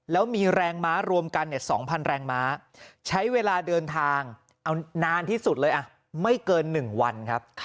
แล้วมีแรงม้ารวมกัน๒๐๐แรงม้าใช้เวลาเดินทางเอานานที่สุดเลยไม่เกิน๑วันครับ